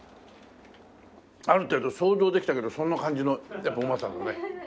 ある程度想像できたけどそんな感じのやっぱうまさだね。